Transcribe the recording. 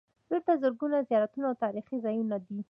دلته زرګونه زیارتونه او تاریخي ځایونه دي.